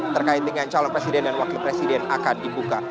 terkait dengan calon presiden dan wakil presiden akan dibuka